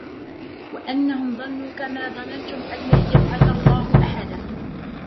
وَأَنَّهُمْ ظَنُّوا كَمَا ظَنَنْتُمْ أَنْ لَنْ يَبْعَثَ اللَّهُ أَحَدًا